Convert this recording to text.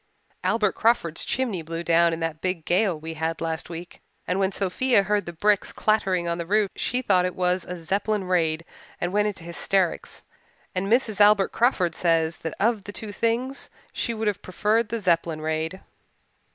Albert Crawford's chimney blew down in that big gale we had last week, and when Sophia heard the bricks clattering on the roof she thought it was a Zeppelin raid and went into hysterics. And Mrs. Albert Crawford says that of the two things she would have preferred the Zeppelin raid."